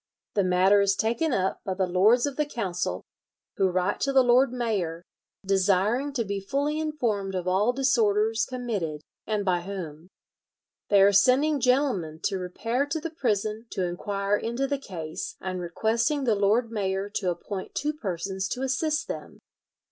The matter is taken up by the lords of the Council, who write to the lord mayor, desiring to be fully informed of all disorders committed, and by whom. "They are sending gentlemen to repair to the prison to inquire into the case, and requesting the lord mayor to appoint two persons to assist them."